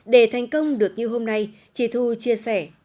để thành công được như hôm nay chị thu chia sẻ